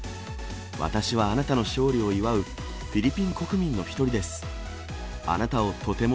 私はあなたの勝利を祝うフィリピン国民の一人です。